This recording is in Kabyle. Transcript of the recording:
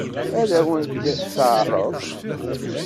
Ad wen-t-teɛṛeḍ?